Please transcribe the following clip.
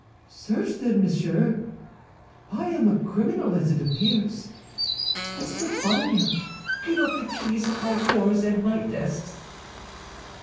"Search, then, monsieur! I am a criminal, as it appears. Estafania, give up the keys of my drawers and my desks."